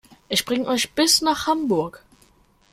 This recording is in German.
Ich bringe euch bis nach Hamburg